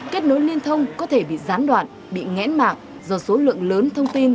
kết nối liên thông có thể bị gián đoạn bị nghẽn mạng do số lượng lớn thông tin gửi về khách